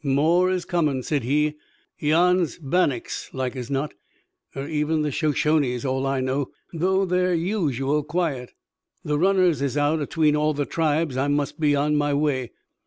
"More is comin'," said he. "Yan's Bannack's like as not, er even the Shoshones, all I know, though they're usual quiet. The runners is out atween all the tribes. I must be on my way."